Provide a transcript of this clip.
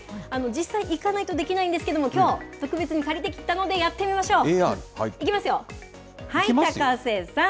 実際、行かないとできないんですけども、きょう、特別に借りてきたので、やってみましょう。